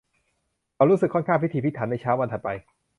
เขารู้สึกค่อนข้างพิถีพิถันในเช้าวันถัดไป